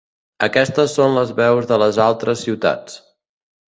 Aquestes són les veus de les altres ciutats.